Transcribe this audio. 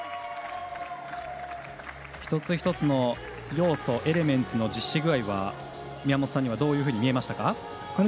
一つ一つの要素エレメンツの実施具合は宮本さんにはどういうふうに見えましたか。